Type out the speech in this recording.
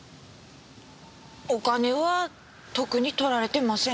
お金は特に取られてません。